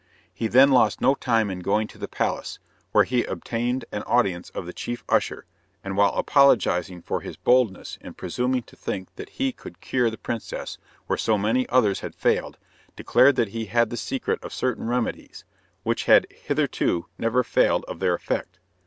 He then lost no time in going to the palace, where he obtained an audience of the chief usher, and while apologising for his boldness in presuming to think that he could cure the princess, where so many others had failed, declared that he had the secret of certain remedies, which had hitherto never failed of their effect.